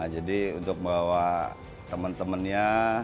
jadi untuk bawa temen temennya